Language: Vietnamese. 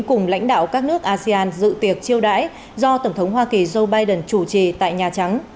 cùng lãnh đạo các nước asean dự tiệc chiêu đãi do tổng thống hoa kỳ joe biden chủ trì tại nhà trắng